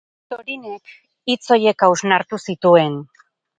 Thorinek hitz horiek hausnartu zituen.